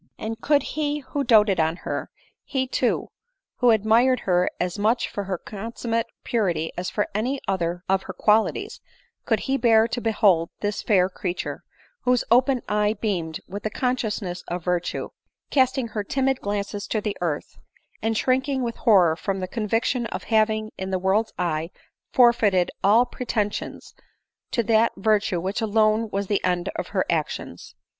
And could he who doated on her ; he, too, who ad mired her as much for her consummate purity as for any other of her qualities ; could he bear to behold this fair creature, whose open eye beamed with the consciousness of virtue, casting her timid glances to the earth, and shrinking with horror from the conviction of having in the world's eye forfeited all pretensions to that virtue which alone was the end of her actions